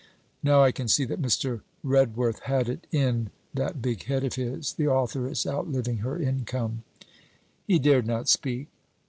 Now I can see that Mr. Redworth had it in that big head of his the authoress outliving her income!' 'He dared not speak.'